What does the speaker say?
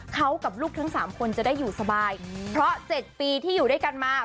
เขากับลูกทั้งสามคนจะได้อยู่สบายเพราะ๗ปีที่อยู่ด้วยกันมา